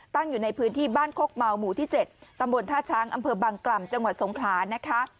อยู่ในพื้นที่บ้านโคกเมาหมู่ที่๗ตำบลท่าช้างอำเภอบังกล่ำจังหวัดสงขลานะคะ